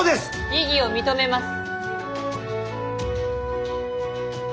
異議を認めます。